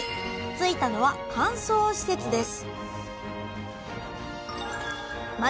着いたのは乾燥施設です